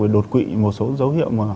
đột quỵ một số dấu hiệu